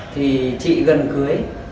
thì chị gần cưới